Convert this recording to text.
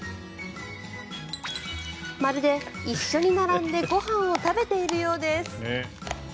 まるで一緒に並んでご飯を食べているようです。